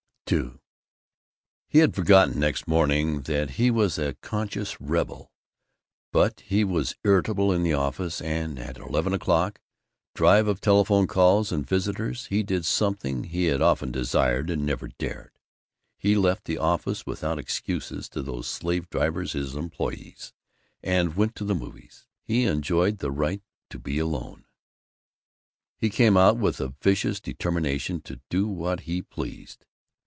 II He had forgotten, next morning, that he was a conscious rebel, but he was irritable in the office and at the eleven o'clock drive of telephone calls and visitors he did something he had often desired and never dared: he left the office without excuses to those slave drivers his employees, and went to the movies. He enjoyed the right to be alone. He came out with a vicious determination to do what he pleased.